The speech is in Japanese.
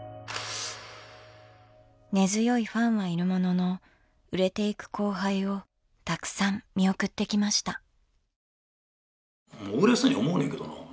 根強いファンはいるものの売れていく後輩をたくさん見送ってきました。